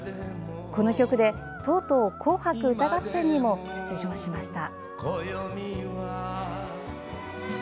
この曲で、とうとう「紅白歌合戦」にも出場しました。